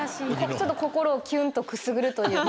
ちょっと心をキュンとくすぐるというか。